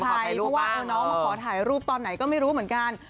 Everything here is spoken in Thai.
เพราะว่าน้องมาขอถ่ายรูปตอนไหนก็ไม่รู้เหมือนกัน